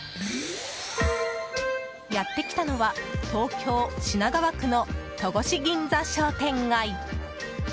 やってきたのは東京・品川区の戸越銀座商店街。